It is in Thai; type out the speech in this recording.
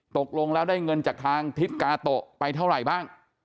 ตกลงแล้วได้เงินจากทางทิศกาโตะไปเท่าไหร่บ้าง